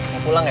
mau pulang ya